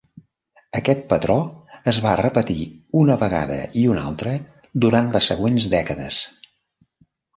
Aquest patró es va repetir una vegada i una altra durant les següents dècades.